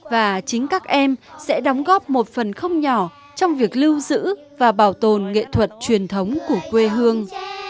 và chính các em sẽ đóng góp một phần không nhỏ trong việc lưu giữ và bảo tồn nghệ thuật truyền thống của quê hương